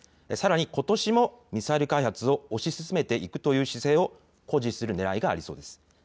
さらにことしもミサイル開発を推し進めていくという姿勢を誇示するねらいがありそうです。